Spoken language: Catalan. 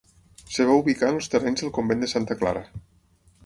Es va ubicar en els terrenys del convent de Santa Clara.